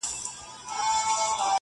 پر تندیو به د پېغلو اوربل خپور وي-